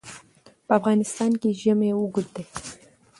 په افغانستان کې د ژمی تاریخ اوږد دی.